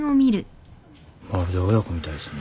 まるで親子みたいっすね。